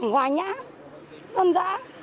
hoài nhã dân dã